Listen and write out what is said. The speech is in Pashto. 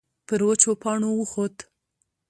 پر وچو پاڼو وخوت.